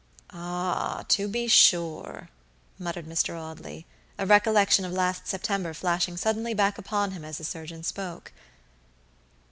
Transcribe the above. "Ah, to be sure," muttered Mr. Audley, a recollection of last September flashing suddenly back upon him as the surgeon spoke.